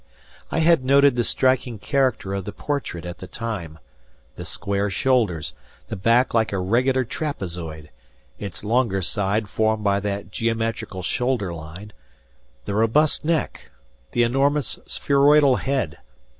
I had noted the striking character of the portrait at the time; the square shoulders; the back like a regular trapezoid, its longer side formed by that geometrical shoulder line; the robust neck; the enormous spheroidal head.